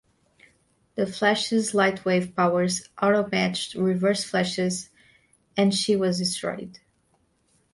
The Flash's light-wave powers outmatched Reverse-Flash's, and she was destroyed.